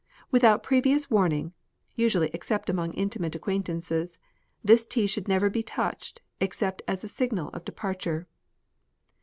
Without previous warning — unusual except among intimate acquaint ances — this tea should never be touched except as a signal of departure.